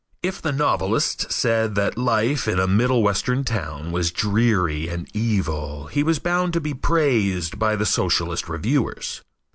If the novelist said that life in a middlewestern town was dreary and evil he was bound to be praised by the socialist reviewers.